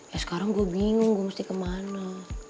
ya sekarang gue bingung gue mesti kemana